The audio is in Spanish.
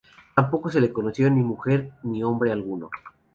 Tampoco se le conoció ni mujer ni hombre alguno.